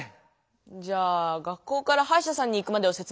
じゃあ学校からはいしゃさんに行くまでを説明するね。